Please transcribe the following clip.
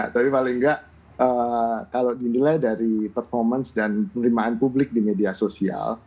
tapi paling nggak kalau dinilai dari performance dan penerimaan publik di media sosial